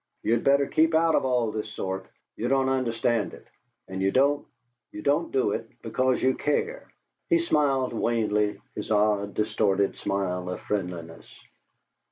"You'd better keep out of all this sort. You don't understand it, and you don't you don't do it because you care." He smiled wanly, his odd distorted smile of friendliness.